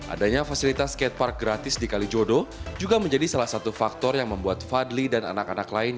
adanya fasilitas skatepark gratis di kalijodo juga menjadi salah satu faktor yang membuat fadli dan anak anak lain